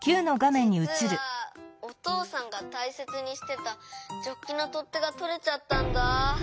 じつはおとうさんがたいせつにしてたジョッキのとってがとれちゃったんだ。